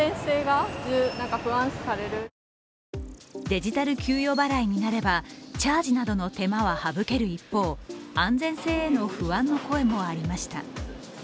デジタル給与払いになればチャージなどの手間は省ける一方安全性への不安の声もありました。